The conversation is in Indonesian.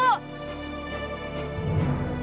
kamu ngapain disini